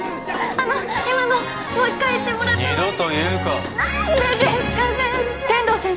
あの今のもう一回言ってもらってもいいですか？